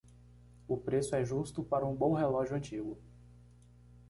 O preço é justo para um bom relógio antigo.